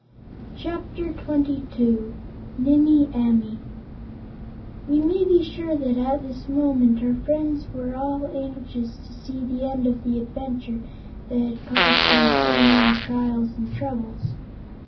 Chapter Twenty Two Nimmie Amee We may be sure that at this moment our friends were all anxious to see the end of the adventure that had caused them so many trials and troubles.